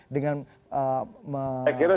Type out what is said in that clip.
dengan merekrut sri mulyani